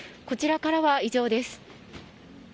こちらからは以上です。